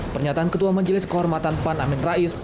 pernyataan ketua majelis kehormatan pan amin rais